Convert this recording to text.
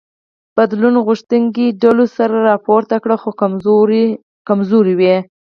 بدلون غوښتونکو ډلو سر راپورته کړ خو کمزوري وې.